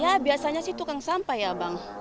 ya biasanya sih tukang sampah ya bang